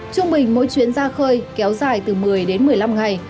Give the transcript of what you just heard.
trung bình mỗi chuyến ra khơi kéo dài từ một mươi đến một mươi năm ngày